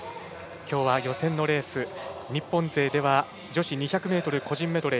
今日は予選のレース日本勢では女子２００ｍ個人メドレー